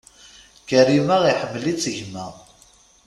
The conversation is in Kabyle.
Karima iḥemmel-itt gma.